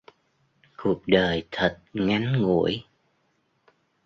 cuộc đời thật ngắn ngủi